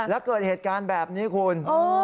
แล้วเกิดเหตุการณ์แบบนี้คุณ